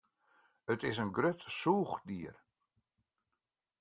It is in grut sûchdier.